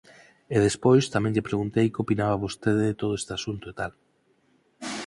E despois tamén lle preguntei que opinaba vostede de todo este asunto, e tal.